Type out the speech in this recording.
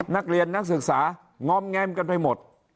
นักเรียนนักศึกษางอมแงมกันไปหมด